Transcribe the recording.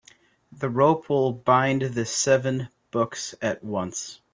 The rope will bind the seven books at once.